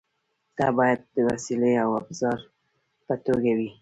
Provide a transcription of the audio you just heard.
نه باید د وسیلې او ابزار په توګه وي.